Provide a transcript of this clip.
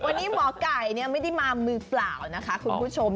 วันนี้หมอไก่ไม่ได้มามือเปล่านะคะคุณผู้ชม